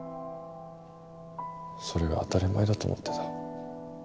それが当たり前だと思ってた。